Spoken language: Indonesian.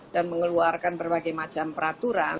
dan mengeluarkan berbagai macam peraturan